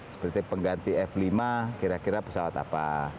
seperti pengganti f lima kira kira pesawat apa